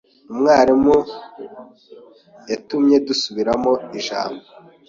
Umwarimu yatumye dusubiramo ijambo.